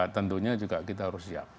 tentunya juga kita harus siap